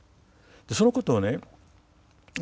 そのことをね